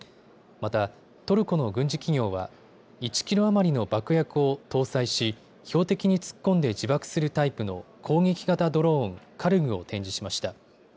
また、トルコの軍事企業は１キロ余りの爆薬を搭載し標的に突っ込んで自爆するタイプの攻撃型ドローン、カルグを展示しました。